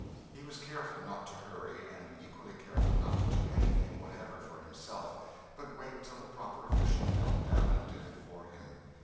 He was careful not to hurry, and equally careful not to do anything whatever for himself, but wait till the proper official knelt down and did it for him.